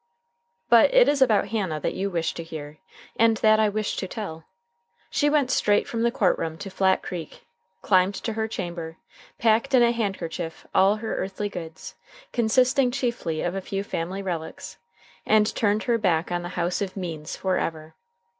But it is about Hannah that you wish to hear, and that I wish to tell. She went straight from the court room to Flat Creek, climbed to her chamber, packed in a handkerchief all her earthly goods, consisting chiefly of a few family relics, and turned her back on the house of Means forever.